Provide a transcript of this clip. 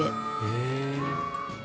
へえ。